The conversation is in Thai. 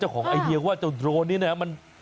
เจ้าของไอ้เฮียว่าโดรนนี่มัน